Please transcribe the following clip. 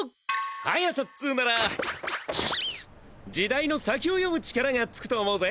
速さっつなら時代の先を読む力がつくと思うぜ！